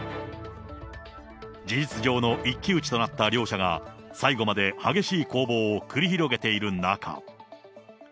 事実上の一騎打ちとなった両者が、最後まで激しい攻防を繰り広げている中。